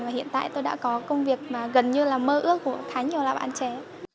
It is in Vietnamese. và hiện tại tôi đã có công việc mà gần như là mơ ước của khá nhiều là bạn trẻ